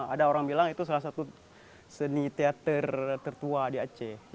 ada orang bilang itu salah satu seni teater tertua di aceh